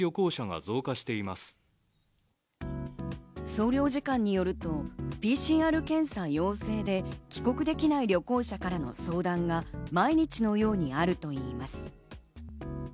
総領事館によると、ＰＣＲ検査陽性で帰国できない旅行者からの相談が毎日のようにあるといいます。